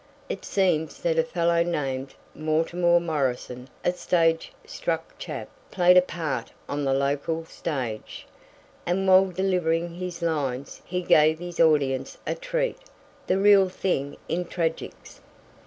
It seems that a fellow named Mortimer Morrison, a stage struck chap, played a part on the local stage, and while delivering his lines he gave his audience a treat the real thing in tragics.